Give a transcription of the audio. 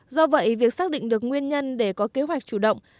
do vậy việc xác định được nguyên nhân để có kế hoạch chủ động